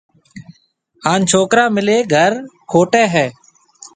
ھان ڇوڪرا ميليَ گھر کوٽائيَ ھيََََ